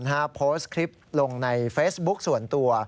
โพสต์คลิปลงในเฟซบุ๊คส่วนตัว